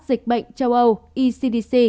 dịch bệnh châu âu ecdc